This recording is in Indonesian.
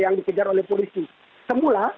dari keterangan pak jokowi